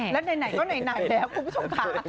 และไหนก็ไหนแล้วคุณผู้ชมค่ะ